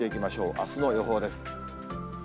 あすの予報です。